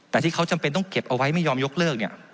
แต่ที่เขาจำเป็นต้องเก็บเอาไว้ไม่ยอมยกเลิกเนี่ย